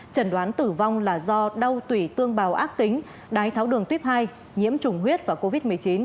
trần đoán tử vong là do đau tủy tương bào ác tính đái tháo đường tuyếp hai nhiễm chủng huyết và covid một mươi chín